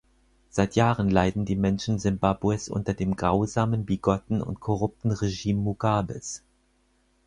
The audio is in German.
Seit Jahren leiden die Menschen Simbabwes unter dem grausamen, bigotten und korrupten Regime Mugabes.